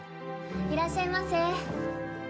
いらっしゃいませ。